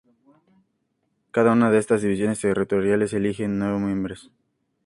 Cada una de estas divisiones territoriales elige nueve miembros.